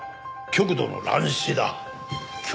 極度の乱視？